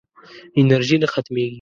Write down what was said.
انرژي نه ختمېږي.